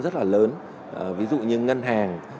rất là lớn ví dụ như ngân hàng